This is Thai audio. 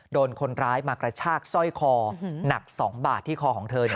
โดนคนร้ายมากระชากสร้อยคอหนัก๒บาทที่คอของเธอ